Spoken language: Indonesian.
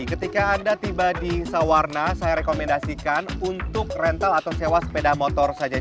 ketika anda tiba di sawarna saya rekomendasikan untuk rental atau sewa sepeda motor saja